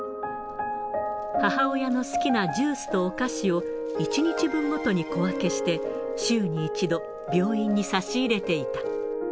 母親の好きなジュースとお菓子を１日分ごとに小分けして週に１度、病院に差し入れていた。